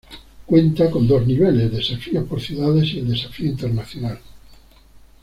Cuenta con dos niveles: desafíos por ciudades y el desafío internacional.